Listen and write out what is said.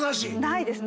ないです。